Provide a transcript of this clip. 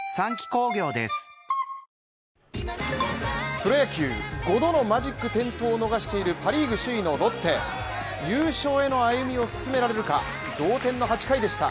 プロ野球５度のマジック点灯を逃しているパ・リーグ首位のロッテ優勝への歩みを進められるか同点の８回でした。